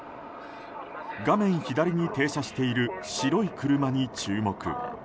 画面左に停車している白い車に注目。